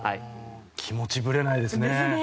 気持ち、ぶれないですね。